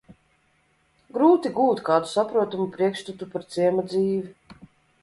Grūti gūt kādu saprotamu priekšstatu par ciema dzīvi.